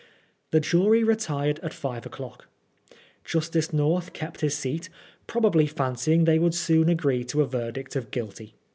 The jmy retired at five o'clock. Justice North kept his seat, probably fancying they would soon agree to a verdict of Guilty.